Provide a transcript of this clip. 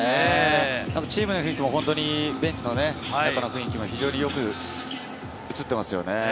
チームの雰囲気もベンチの中の雰囲気も非常によく映っていますよね。